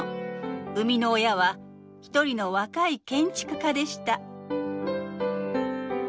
生みの親は一人の若い建築家でした。